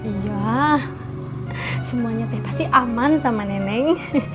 iya semuanya teh pasti aman sama neneng